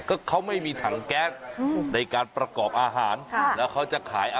ก็เขาไม่มีถังแก๊สในการประกอบอาหารค่ะแล้วเขาจะขาย